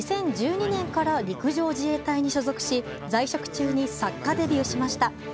２０１２年から陸上自衛隊に所属し在職中に作家デビューしました。